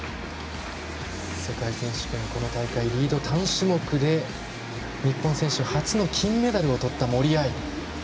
世界選手権この大会、リード単種目で日本選手初の金メダルをとった森秋彩。